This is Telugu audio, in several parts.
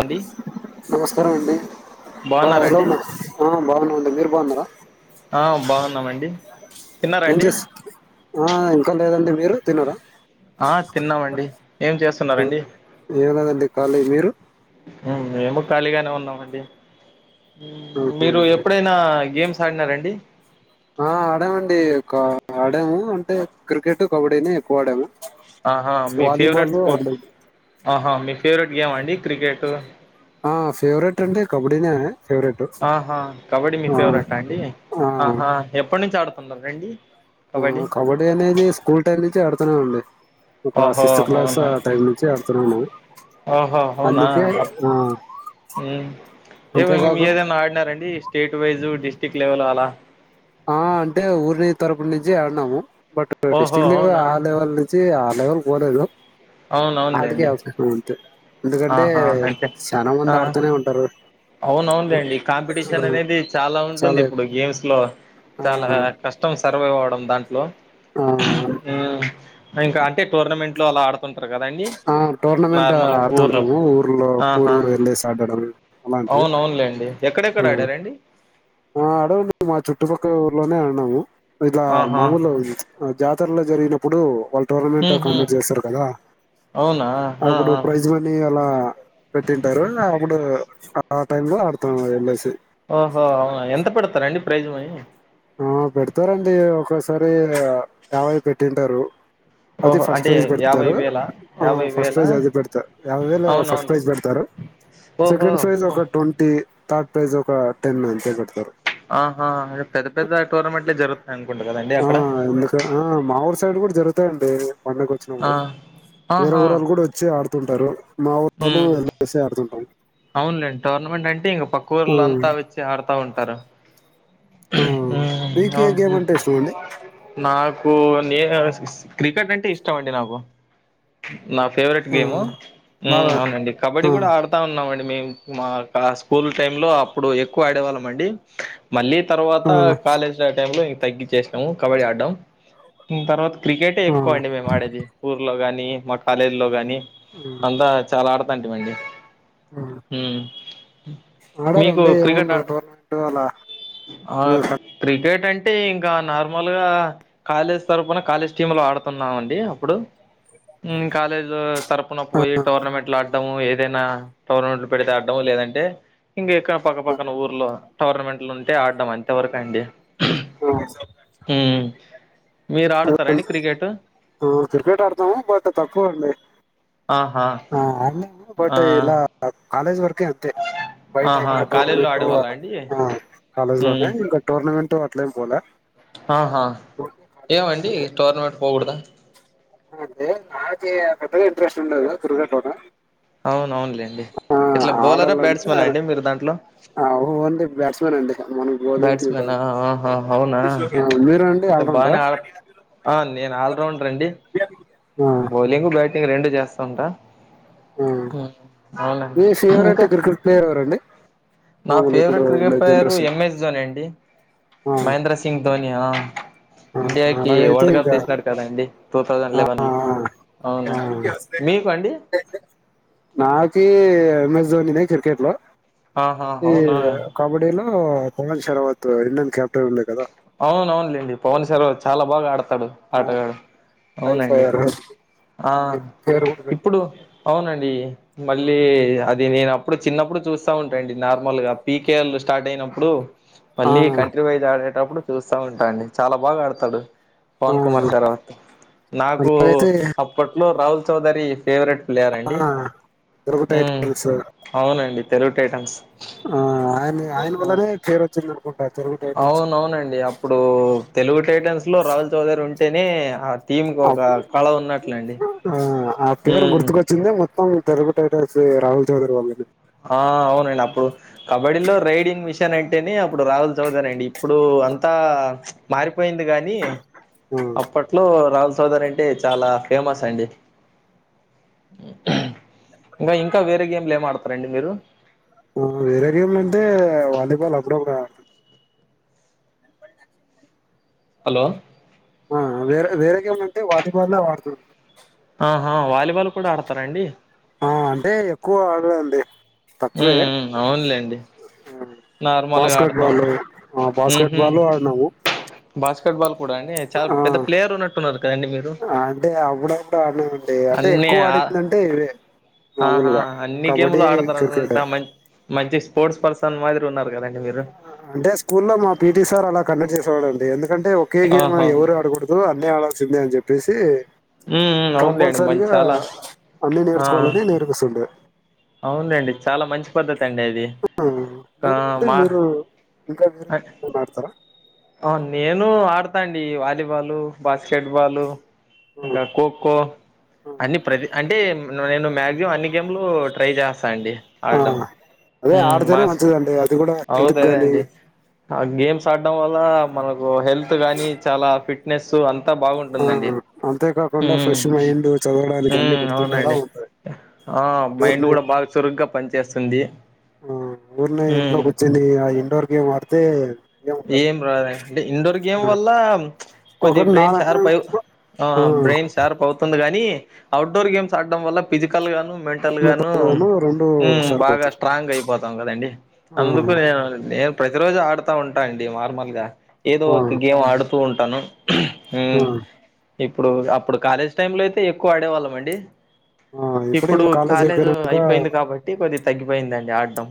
అండి నమస్కారం అండి బా హలో బాగున్నారండి హా బాగున్నాండి మీరు బాగున్నారా ఆ బాగున్నామండి ఏం తిన్నారండి చెస్ ఆ ఇంకా లేదండి మీరు తిన్నార ఆ తిన్నామండి, ఏం ఏ- చేస్తున్నారండి ఏం లేదండి ఖాళీ, మీరు? మేము ఖాళీగానే ఉన్నామండి. ఓకే మీరు ఓకే. ఎప్పుడైనా గేమ్స్ ఆడిన రండి ఆ ఆడామండి ఒక ఆడాము, అంటే క్రికెట్ కబడ్డీనే ఎక్కువ ఆడాము. ఆహా మీ వాలీబాల్ ఫేవరెట్ స్పోర్ట్ అప్పుడు ఆహా మీ ఫేవరెట్ గేమ్ అండి క్రికెటు హా ఫేవరెట్ అంటే కబడ్డీ నే ఆహా కబడ్డీ మీ ఫేవరెట్ అండి, ఆ, ఆహా ఎప్పటి నుంచి ఆడు తొందర రండి ఆ కబడ్డీ అనేది స్కూల్ టైం నుంచే ఆడుత్ ఆ అండి ఓహో అవునా ఆడుతున్నాను ఓహో అవునా అందుకే హ్ ఆ, మ్మ్ ఏ అంతేకాకుండా ఏదైనా ఆడినారా అండి state wise district level అల ఆ అంటే ఊరిని తరపు నుంచి ఆడినాము. బట్ ఓహో డిస్టిక్ లెవల్ అవునా ఆ లెవెల్ నుంచి ఎవరు పోలేదు. ఆటికే అవునవునులేండి అవకాశం ఉంటది ఎందుకంటే ఆహా అయితే చానా మంది ఆ ఆడుతూనే ఉంటరు. అవునవునులేండి కాంపిటీషన్ అనేది చాలా ఉంటుంది ఇప్పుడు, గేమ్స్ లో ఆ చాలా కష్టం సర్వైవ్ అవడం దాంట్ హలో ఆ ఇంకా అంటే టోర్నమెంట్లో అలా ఆడుతుం ఆ టోర్నమెంట్ ఊర్లో ఆడుతుంటాము, ఊర్లో ఊరు ఆహా ఊరు వెళ్లేసి ఆడడం. అలాంటివి అవునవునులేండి ఎక్కడెక్కడ ఆడారండి. ఆ ఆడమండి మా చుట్టుపక్కల ఊర్లోనే ఆడినాము. ఇట్ల ఆహా మామూలు జాతరలో జరిగినప్ ఇప్పుడు వల్ టోర్నమెంట్ మ్మ్ హ్మ్ కండక్ట్ చేస్తారు కదా, అవునా ఆ అప్పుడు ఆ ప్రైజ్మని ట్లా పెట్టింటారు అప్పుడూ ఆ టైమ్ లో ఆడతాం వెళ్ళేసి ఆ ఓ అవున ఎంత పెడతారండి. ప్రైజ్ మనీ ఆ పెడతారండి ఒక ఒక్కసారి యాభై పెట్టింటారు. అది ఓహో ఫస్ట్ అంటే ప్రైజ్ యాభై పెడతారు. వేలా ఆ యాభై ఫస్ట్ వేలా ప్రైజ్ అది పెడత యాభై వేలు ఫస్ట్ అవునవును ప్రైజ్ పెడతారు. ఓహో సెకండ్ ప్రైజ్ అమ్మో! ఒక ట్వంటీ థర్డ్ ప్రైజ్ ఒక టెన్ అంతే పెడతారు. ఆహా! రేపు పెద పెద్ద టోర్నమెంట్లె జ ఆ ఎందుక ఆ మా ఊరు సైడ్ గుడా జరుగుతాయండి పండగ ఆ వచ్చినప్పుడు వేరే ఆహా ఊరోళ్ళు కూడా వచ్చి ఆడు తుంటరు. మా ఊర్లోళ్లు ఉమ్ కలిసే ఆడుతుంటాం అవునులేండి టోర్నమెంట్ అంటే ఇంక పక్క ఆ ఊరులంతా వచ్చి ఆడుతా ఉంటారు క్కర ఆ ఉమ్ మీకు ఏ అవును గేమ్ ఉమ్ అంటే ఇష్టం అండి నాకు నే క్రికెట్ అంటే ఇష్టం అండి నాకు నా ఫేవరెట్ ఆ గేమ్ ఉమ్ బాగా అవునండి కబడ్డీ కూడా ఆ ఆడుతా ఉన్నామండి మేము మా టా స్కూల్ టైమ్ లో అప్పుడు ఎక్కువ ఆడేవాళ్ళం అండి మళ్ళీ తర్వాత ఆ కాలేజ్ టైమ్ లో తగ్గిచ్చేశాము కబడ్డీ ఆడడం తర్వాత క్రికెట్ ఏ ఆ ఎక్కువ అండి మేము ఆడేది ఊర్లో గానీ కానీ మా కాలేజీ లో గానీ అందా చాలా ఆడ తాంటి మండి ఉమ్ ఆడారా మీకు అండి క్రికెట్ ఏమన్నా ఆడ టోర్నమెంట్ అలా ఆ త్ర్రి ఏటంటే ఇంకా నార్మల్గా కాలేజ్ తరపున కాలేజ్ టీమ్లో ఆడుతున్నామండి అప్పుడు ఉమ్ కాలేజ్ తరపున పోయి టోర్నమెంట్లు ఆడ్ ఏదైనా టోర్నమెంట్లు పెడితే ఆడ్డము లేదంటే ఇక పక్క పక్కన ఊర్లు టోర్నమెంట్లు ఉంటే ఆ అ అంతవరకు అండి ఆ ఉమ్ మీరు ఆడతారండి క్రికెట్ క్రికెట్ ఆడతాము బట్ తక్కువ అండి ఆహా ఆ అన్న ఆ బట్ ఇలా కాలేజీ వరకు ఇక అంతే బైట ఆహా ఎక్కడ కాలేజీలో టోర్నమెంట్ ఆడేవాళ్ళ అండి కాలేజ్ మ్మ్ లోనే ఇంకా టోర్నమెంట్ ఇట్లే పోలా ఆహా ఏమండి టోర్నమెంట్ పోకూడదా నాకి పెద్దగా ఇంట్రెస్ట్ ఉండదు క్రికెట్ లోనా అవును అవున్లే ఆ ఆడల్ అంటె మీరు దాంట్లో ఓన్లీ బ్యాట్స్మన్ అండి మన బ్యాట్స్మెనా అవునా ఆ, మీరు అండి అయితే బానే ఆల్రౌండరా ఆడతారు నేను ఆల్రౌండర్ అండి అ బోలింగ్ బాటింగ్ ఇక రెండు చేస్తా ఉంటా ఆ అవునండి మీ ఫేవరెట్ ఇంకా క్రికెట్ ప్లేయర్ ఎవరండి నా మామూలు ఇప్పుడు ఫేవరెట్ ఉండే cricket player generation MS Dhoni అండి ఆ మహేంద్ర సింగ్ ధోనియా ఆ ఇండియాకి అలాగైతే వరల్డ్ కప్ ఇంకా తీసినాడు కదాండి టూ థౌజండ్ ఆ లవెన్ లో మీకు అండి నాకి ఎమ్ స్ ధోని యి క్రికెట్ లో ఆహా ఈ అవునా కబడ్డీలో ఆఓ పవన్ షర్వత్ ఇండిన్ క్యాపిటన్ ఉండే కాదా అవున అవునులేండి పవన్ సావు చాలా బాగా ఆడతారు డు ఆ ఆటగాడు హై అవునండి ఫైర్ ఆ అన్ని పేరు కూడా ఇప్పుడు పెట్టారు అవునండి మళ్ళీ అది నేను అప్పుడు చిన్నప్పుడు చూస్తా ఉంటాండి నార్మల్ గా పీకేఎల్ స్టార్ట్ అయినప్పుడు ఆ మళ్ళీ కంట్రీ వైజ్ ఆడేటప్పుడు చూస్తా ఉంటాండి చాలా బాగా ఆడతాడు ఆ పవన్ కుమార్ సార్ నాకు అలాగైతే అప్పట్లో లో రాహుల్ చౌదరి ఫేవరెట్ పలేయర్ అండి ఆ తెలుగు టైటన్స్ అవునండి తెలుగు టైటమ్స్ ఆ ఆయన ఆయన వల్లనే పేర్ వచ్చింది అనుకుం అవునవునండి అప్పుడు తెలుగు టైటాన్స్ లో రావుల్ చౌదరి ఉం టేనే ఆ టీమ్ కి ఒక కళ ఉన్నట్లండి ఆ ఆ పేరు ఉమ్ గుర్తుకొచ్చింది మొత్తం మొత్తం తెలుగు టైటాన్సే రాహుల్ చౌదరి వాళ్ళది. ఆ అవునండి అప్పుడు కబడ్డీలో రైడింగ్ మిషన్ అంటేనే అప్పుడు రాహుల్ చౌదరి అండి ఇప్పుడు అంతా మారిపో పోయింది గాని అప్పట్లో రాహుల్ చౌదరి అంటే చాలా ఫేమస్ అండి ఇంకా ఇంకా వేరే గేమ్లు ఏం ఆడుత రండి మీరు వేరే గేమ్లంటే వాలిబాల్ అప్పుడప్పుడు ఆడుతం హలో ఆ వేరే వేరే గేమ్ లంటే వాలీబాల్ అవి ఆడుతుం అహా వాలీబాల్ కూడా ఆడుతరా అండి ఆ అంటే ఎక్కువ ఆడలే అండి తక్కువే ఉమ్ అవునులేండి ఆ నార్మల్గా బాస్కెట్ ఆడతా ఉం బాలు ఆ బాస్కెట్ ఉహు బాలు ఆడినాము బాస్కెట్ బాల్ కూడా అండి చాలా ఆ పెద్ద ప్లేయర్ ఉన్నట్టున్నారు కదండి మీరు అంటే అప్పుడప్పుడు ఆడినామండి అంటే అన్ని ఎక్కువ ఆ ఆడిందంటే ఇవే ఆహా మామూలుగా అన్ని కబడ్డీ గేములు క్రికెట్ ఆడతారనుకుంట మం మంచి స్పోర్ట్స్ పర్సన్ మాదిరి ఉన్నారు కదండి మీరు ఆ ఆ అంటే స్కూల్లో మా పిటీ సార్ అలా కండక్ట్ చేసేవాడు అం డి ఎం దుకంటే ఒకే గేమ్ ఆహా ఎవరు ఆడకూడదు అన్నీ ఆడాలి సిందే అని చెప్పేసి ఉమ్ ఉమ్ అవునులేండి మంచి కంపల్సరిగా చాలా అన్ని నేర్చుకోవాలని నేర్పిస్తుండే అవునండి చాలా మంచి పద్ధ తీ అండి అది ఆ! ఆ మీరేంటి మా మీరు ఇంకా వేరే గేమ్లు ఏమన్న ఆడతరా ఆ నేను ఆడతాండి వాలీబాలు బాస్కెట్బాలు ఆ ఇంకా ఖోఖో ఆ! అన్ని ప్రతి అంటే నేను మ్యాక్జిమం అన్ని గేములు ట్రై చేస్తాండి ఆ! ఆడడం అదే ఉ ఆడితేనే మాస్క్ మంచిదండి అది కూడా హెల్త్ గాని అవుతదండి ఆ గేమ్స్ ఆడ్డం వ ల్ల మన కు హెల్త్ గాని చాలా ఫిట్ ఫిట్నెస్ అంతా ఆ బాగుంటుందండి అంతేకాకుండా ఉమ్ ఫ్రెష్ మైండ్ చదవడానికి అన్ని ఉమ్ గుర్తుండేలా అవునండి ఉంటాయి ఆ మైండ్ ఊరినే కూడా బాగా చురుగ్గా పనిచేస్తుంది ఆ ఊర్నే ఇంట్లో ఉమ్ కూర్చొని ఆ ఇండోర్ గేమ్ ఆడితే ఏం రాదు అంటే ఇండోర్ గేమ్ హ్మ్. వల్ల కొద్ది ఒకటి నా బ్రెయిన్ షార్ప్ అయి ఆ బ్రెయిన్ షార్ప్ అవుతుంది గాని ఈ అఔట్ డోర్ గేమ్స్ ఆడడం వల్ల ఫిజికల్ గాను మెంటల్ గాను మెంటల్గాను రెండు ఉమ్ షార్ప్ బాగా అవుతుంది స్ట్రాంగ్ అయిపోతాం కదండి ఆ అందుకు నేను నే ప్రతిరోజు ఆడతా ఉం టా అండి మార్మల్ గా ఏదో ఆ ఒక గేమ్ ఆడు స్తూ ఉంటాను ఆ ఉమ్ ఇప్పుడు అప్పుడు కాలేజ్ టైమ్ లొ అయితె ఎక్కువ ఆడేవాళ్ళం అండి ఆ ఇప్పుడు ఇంకా కాలేజ్ అయిపోయినాక ఆ అయిపోయింది కాబట్టి కొద్దిగా తగ్గిపోయిందండి ఆడటం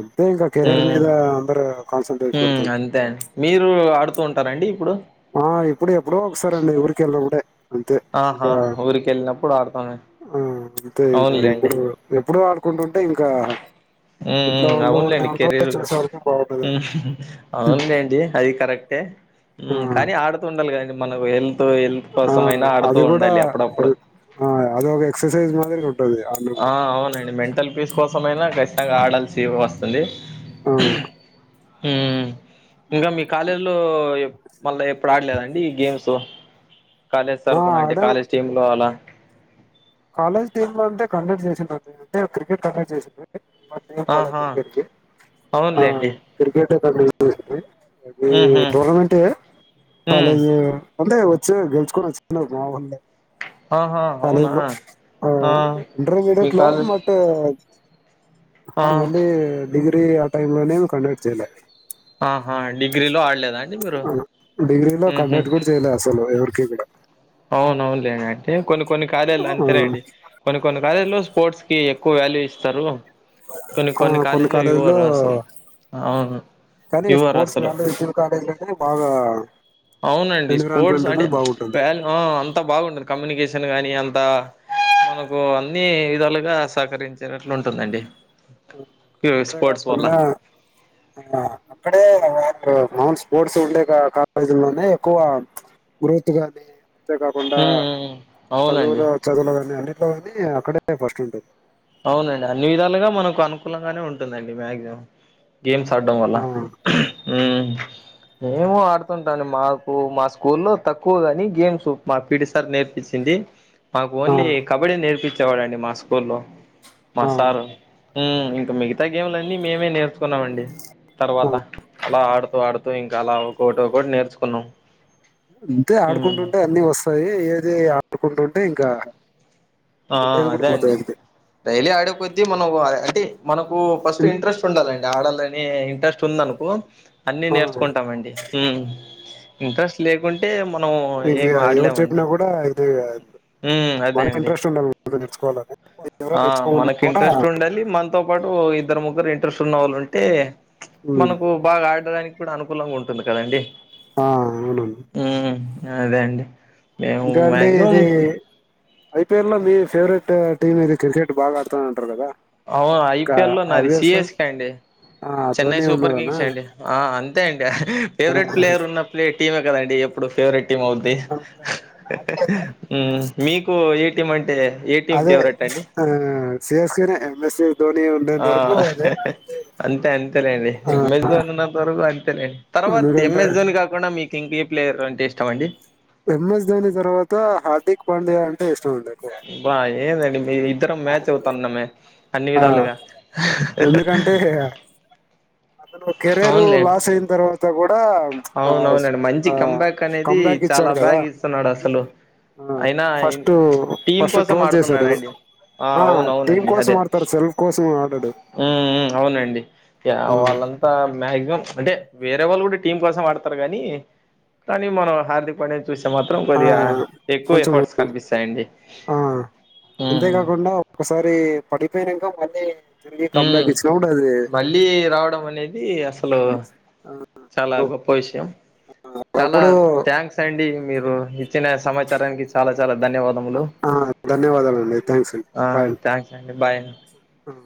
అంతే ఇంక కెరీర్ మీద అందరు కాన్స ఉమ్ అంతే అండీ మీరు ఆడుతూ ఉ టారా అండి ఇప్పుడు ఆ ఇప్పుడు ఎప్పుడో ఒకసారంండి ఎవరికి వెళ్ళప్పుడే ఆహా ఊరిక వెళ్ళినప్పుడు ఆడతామ ఆ! అంతే ఇక అవునులేండి ఇప్పుడు ఎప్పుడూ ఆడుకుంటుంటే ఇంకా ఉమ్ ఇంట్లో ఉమ్ వాళ్ళు ఊరినే అవునులేండి ఉండరు కెరీర్గా చూసేవాళ్ళకి బావుండదని ఉహుమ్ అవునులేండి అది కరెక్టే ఆ! ఉమ్ కాని ఆడుతుండాలి కదా అండీ మనకు హెల్త్ హెల్త్ ఆ! కోసంమయినా అది కూడా హెల్ అది ఒక ఎక్ససైస్ మదిరిగా ఉంటాది ఆ అవునండి మెంటల్ పీస్ కో కోసమైనా ఖచ్చితంగా ఆడాల్సి వస్తుంది ఆ ఉమ్ ఇంకా మీ కాలేజీలో మళ్ళా ఎప్పుడు ఆడలేదండి ఈ గేమ్స్ కాలేజ్ ఆ! తరఫన అంటే కాలేజ్ టీమ్ లో అలా కాలేజ్ టీమ్ లో అంటే కండక్ట్ చేసిండను న అంటే క్రికెట్ కండక్ట్ చేసి మత్ర పోలే ఆహా క్రికెట్ ఆ అవునులేండి క్రికెట్ ఒకా మే [unintelligible] అది హ్మ్ హు టూర్నామెట్ హ్మ్ కాలజ అంటే వచ్చి గలుచుకొని వచ్చ మాల్లే ఆహా అవునా ఆ మీ ఇంటర్మీడియట్ లో కాలేజ్ మట్ ఆ మళ్ళీ డిగ్రీ ఆ టైమ్ లోనే కంటిన్యూ చేయలే ఆహా డిగ్రీలో ఆ డిగ్రీలో కండక్ట్ కూడా చేయలేదు అసలు ఎవరు [unintelligible] అవునువును లేండి అంటే కొన్ని కొన్ని కాలేజీలో అంతేనండి కొన్ని కొన్ని కాలేజ్ లో స్పోర్ట్స్ కి ఎక్కువ వాల్యూ ఇస్తారు కొన్ని ఆ కొన్ని కాలేజీలో ఇవ్వరు అసలు అవును కానీ ఇవ్వరు స్పోర్ట్స్ అసలు వాల్యూ ఈ కాలేజీలో అంటేనే బాగా అవునండి స్పోర్ట్స్ ఎన్విరాన్మెంట్ అంటే అనేది బాగుంటుంది వా అంతా బాగుంటుంది కమ్యూనికేషన్ గాని అంత మనకు అన్ని విధాలుగా సహకరించేటట్లు ఉంటుందండి ఈ అంతే స్పోర్ట్స్ వల్ల కాకుండా అక్కడే అన్ స్పోర్ట్స్ ఉండే కాలేజీలోనే ఎక్కువ గ్రోత్ కానీ అంతే కాకుండా ఉమ్ ఉమ్ అవునండి చదువులు చదువులు అని అన్ని లో అని అక్కడే ఫస్ట్ ఉంటది అవునండి అన్ని విధాలుగా మనకు అనుకూలంగానే ఉంటుందండి మ్యాక్సిమం గేమ్స్ ఆడ్డం వల్ళ ఆ మేము ఆడుతుంటాను మాకు మా స్కూల్లో తక్కువ కాని గేమ్స్ మా పిడి సార్ నేర్పించింది మాకు ఆ ఓన్లీ కబడ్డీ నేర్పించింది చేవాడండి మా స్కూళ్లో మా ఆ సారు ఇంకా మిగతా గేమ్లున్నీ మేమే నేర్చుకున్నాం అండి ఆ తర్వాత అలా ఆడుతూ ఆడుతూ ఇంకా అలా ఒకొటి ఒకొటి నేర్చుకున్నాం అంతే ఉమ్ ఆడుకుంటుంటే అన్నీ వస్తాయి ఏది ఆడుకుంటుంటే ఇంకా ఆ ఉండేది కూడా అదే పోతాయి అండి అంతే డైలీ ఆడేకొద్ది మనం అంటె మనకు కు ఫస్ట్ ఇం- ఇంట్రస్ట్ ఉండాలండి ఆడలనే ఇంట్రెస్ట్ ఉందనుకో అన్నీ ఆ నేర్చుకుంటామండి ఇంట్రెస్ట్ లేకుంటే మ ఈజీగా ఎవరు చెప్పినా కూడా ఇది ఉమ్ అదే మనకి అండి ఇంట్రెస్ట్ ఉండాల నేర్చుకోవాలనే ఆ మనకి ఇంట్రెస్ట్ ఉండాలి మనతో పాటు ఇద్దరు ముగ్గురు ఇంట్రెస్ట్ ఉన్నవాళ్ళు ఉంటే ఉమ్, మనకు బాగా ఆడడానికి ఇప్పుడు అనుకూలంగా ఉంటుంది కదండి ఆ అవునండి మ్మ్ అదేండి ఇంకా అండి ఇది ఐపీఎల్ లో మీ ఫేవరెట్ టీమ్ అది క్రికెట్ బాగా ఆడుతాన అంటారు కదా అవును ఇంకా ఐపిఎల్ లో నాది ఆబ్వియస్ సిఎస్కి అండి ఆ చెన్నై ధోని సూపర్ ఉన్నాడనా కింగ్స్ అండి ఆ అంతే అండి ఆ, ఫేవరెట్ ప్లేయర్ ఉన్న ప్లే టీమే కదా అండి ఎప్పుడు ఫేవరెట్ [unintelligible] మీకు మంటే అదే ఆ సి స్ కే నీ [unintelligible] ఆ అంతే అంతేలేండి ఆ, ఎంఎస్ జోన్ ఉన్నంత వరకు అంతేలేండి తర్వాత ఎందుకంటే ఎంఎస్ జోన్ కాకుండా మీకు కింక్లీ ప్లేయర్ అంటే ఇష్టంమండి ఎంఎస్ ధోని తర్వాత హార్దిక్ పాండ్యా అంటే ఇష్టం అండి ఎక్కువ బా ఏందండి ఇద్దరం మ్యాచ్ అవుతాన్నామే అన్ని ఆ, విధాలుగా అద కెరవేర్ అవునులే లాస్ అయిన తరువాత కూడా అవునవునండి మంచి కంబ్యాక్ అనేది కంబ్యాక్ చాలా ఇచ్చాడు కదా బాగా ఇస్తున్నాడు అసలు అయినా ఫస్ట్ టీమ్ ఫస్ట్ కోసం ట్రోల్ చేశారు ఆడుతున్నాడండి ఆ అవున టీం అవునండి కోసం అదే ఆడతారు సెల్ఫ్ కోసం ఆడాడు మ్ అవునండి ఆ, వాళ్ళంతా మ్యాక్సిమం అంటే వేర వాళ్ళ కూడా టీం కోసం ఆడతారు కాగాని కానీ మనం హార్దిక్ పాండె చూసే మాత్రం ఆ, కొద్దిగా ఎక్కువ కొంచెం ఎఫర్ట్స్ కనిపిస్తాయండి ఆ ఉమ్ అంతేకాకుండా ఒకసారి [unintelligible] మళ్ళి మ్మ్ మళ్ళీ రావడం అనేది అసలు చాలా గొప్ప విషయం చాలా అప్పుడు థ్యాంక్స్ అండి మీరు ఇచ్చిన సమాచారానికి చాలా చాలా ధన్యవాదములు ధన్యవాదాలండి థ్యాంక్స్ అండి ఆ బాయ్ అండి థ్యాంక్స్ అండి బాయ్ ఆ.